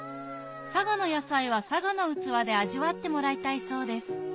佐賀の野菜は佐賀の器で味わってもらいたいそうです